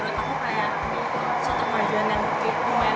dengan kejadian yang selalu berubah